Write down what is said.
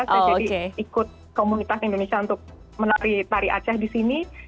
saya jadi ikut komunitas indonesia untuk menari tari aceh di sini